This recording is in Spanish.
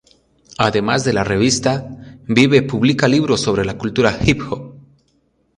Además de la revista, "Vibe" publica libros sobre la cultura hip-hop.